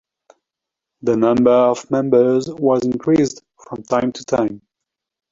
The number of members was increased from time to time.